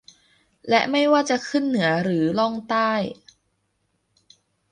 และไม่ว่าจะขึ้นเหนือหรือล่องใต้